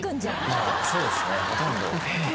そうですねほとんど。